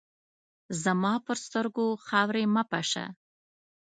زما پر سترګو خاوري مه پاشه !